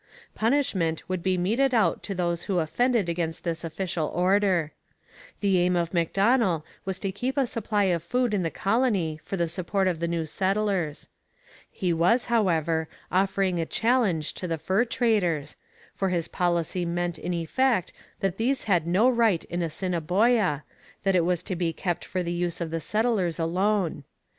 Punishment would be meted out to those who offended against this official order. The aim of Macdonell was to keep a supply of food in the colony for the support of the new settlers. He was, however, offering a challenge to the fur traders, for his policy meant in effect that these had no right in Assiniboia, that it was to be kept for the use of settlers alone.